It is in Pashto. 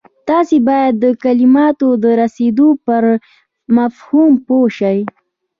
تاسې بايد د کلماتو د رسېدو پر مفهوم پوه شئ.